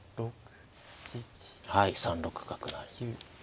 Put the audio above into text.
はい３六角成。